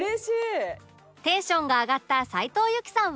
テンションが上がった斉藤由貴さんは